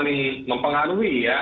saling mempengaruhi ya